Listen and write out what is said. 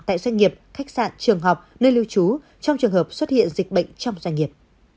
tại doanh nghiệp khách sạn trường học nơi lưu trú trong trường hợp xuất hiện dịch bệnh trong doanh nghiệp